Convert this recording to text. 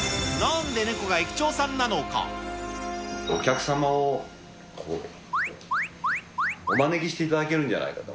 お客様を、こう、お招きしていただけるんじゃないかと。